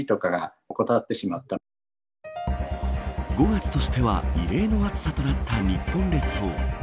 ５月としては異例の暑さとなった日本列島。